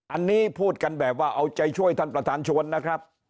อันนี้พูดกันแบบว่าเอาใจช่วยท่านประธานชวนนะครับ